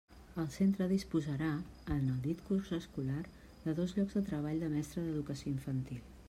El centre disposarà, en el dit curs escolar, de dos llocs de treball de mestre d'Educació Infantil.